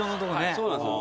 そうなんですよ。